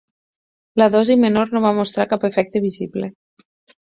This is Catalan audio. La dosi menor no va mostrar cap efecte visible.